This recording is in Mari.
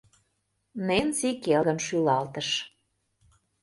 Ненси келгын шӱлалтыш.